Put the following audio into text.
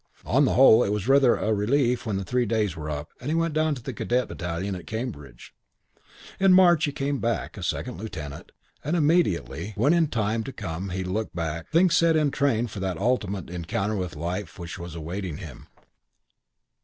On the whole it was rather a relief when the three days were up and he went down to the Cadet battalion at Cambridge. In March he came back, a second lieutenant; and immediately, when in time to come he looked back, things set in train for that ultimate encounter with life which was awaiting him.